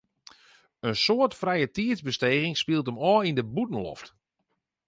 In soad frijetiidsbesteging spilet him ôf yn de bûtenloft.